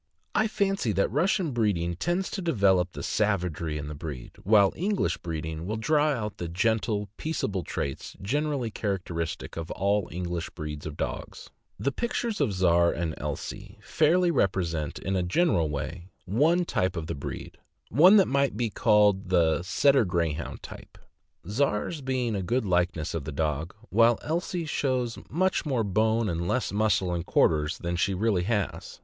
' I fancy that Russian breeding tends to develop the savagery in the breed, while English breed ing will draw out the gentle, peaceable traits generally characteristic of all English breeds of dogs. The pictures of Czar and Elsie fairly represent, in a general way, one type of the breed, one that might be called the Setter Greyhound type; Czar's being a good likeness of the dog, while Elsie's shows much more bone, and less muscle in RUSSIAN WOLFHOUND ELSIE. Owned by Mr. J. Otis Fellows, Hornellsville, N. Y. quarters than she really has.